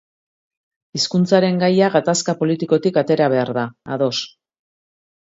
Hizkuntzaren gaia gatazka politikotik atera behar da, ados.